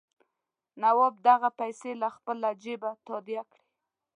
نواب دغه پیسې له خپله جېبه تادیه کړي.